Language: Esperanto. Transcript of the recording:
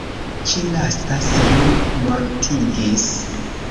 Ĉi lasta sin mortigis.